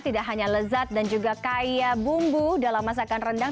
tidak hanya lezat dan juga kaya bumbu dalam masakan rendang